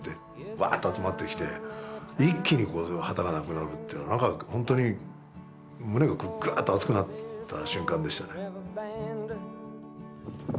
ワーッと集まってきて一気に旗がなくなるっていうのは本当に胸がぐっと熱くなった瞬間でしたね。